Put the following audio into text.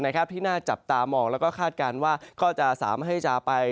ที่น่าจับตามองแล้วก็คาดการณ์ว่าเขาจะสามารถไปซ้ำเติม